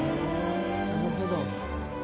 なるほど。